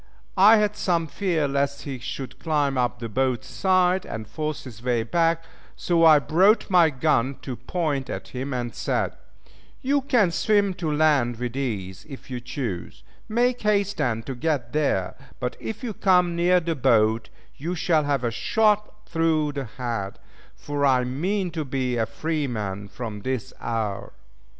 I had some fear lest he should climb up the boat's side, and force his way back; so I brought my gun to point at him, and said, "You can swim to land with ease if you choose, make haste then to get there; but if you come near the boat you shall have a shot through the head, for I mean to be a free man from this hour."